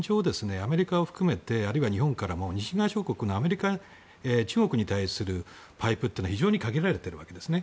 アメリカを含めて日本からも西側諸国のアメリカ、中国に対するパイプが非常に限られているわけですね。